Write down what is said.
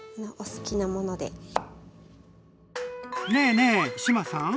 ねえねえ志麻さん。